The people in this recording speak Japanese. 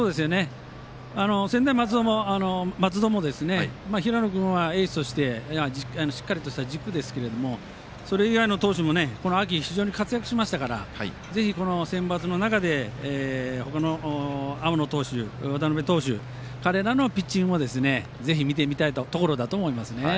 専大松戸も平野君はエースとしてしっかりとした軸ですけれどもそれ以外の投手もこの秋、活躍しましたからぜひ、このセンバツの中で他の青野投手渡邉投手、彼らのピッチングも見てみたいところだと思いますね。